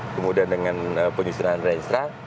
kemudian dengan penyusunan reinserai